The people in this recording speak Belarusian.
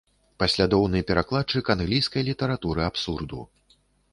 Паслядоўны перакладчык англійскай літаратуры абсурду.